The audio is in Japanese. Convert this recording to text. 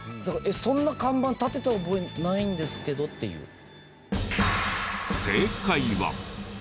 だから「えっそんな看板立てた覚えないんですけど」っていう。